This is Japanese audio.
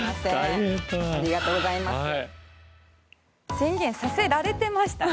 宣言させられてましたね。